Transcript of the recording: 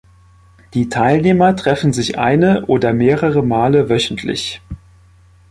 Die Teilnehmer treffen sich eine oder mehrere Male wöchentlich.